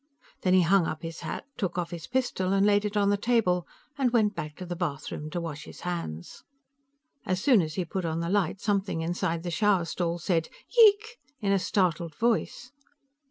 Then he hung up his hat, took off his pistol and laid it on the table, and went back to the bathroom to wash his hands. As soon as he put on the light, something inside the shower stall said, "Yeeeek!" in a startled voice.